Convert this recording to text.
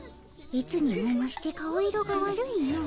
いつにもまして顔色が悪いの。